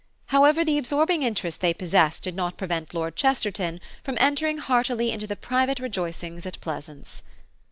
However, the absorbing interest they possessed did not prevent Lord Chesterton from entering heartily into the private rejoicings at Pleasance.